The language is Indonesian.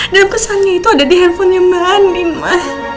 dan pesannya itu ada di handphonenya mbak andin ma